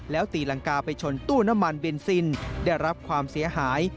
แล้วตีรังกาไปชนตู้น้ำมันเบนซินได้รับความเสียหาย